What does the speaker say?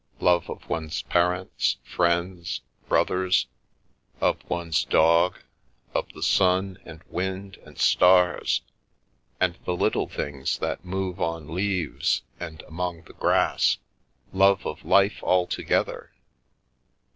Love of one's parents, friends, brothers, of one's dog, of the sun and wind and stars, and the little things that move on leaves and among the grass; love of life altogether.